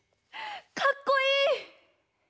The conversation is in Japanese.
かっこいい！